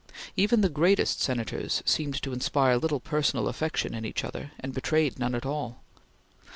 Even the greatest Senators seemed to inspire little personal affection in each other, and betrayed none at all.